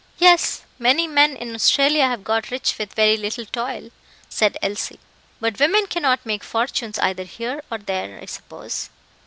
"Yes, many men in Australia have got rich with very little toil," said Elsie; "but women cannot make fortunes either here or there, I suppose."